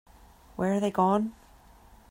Where are they gone?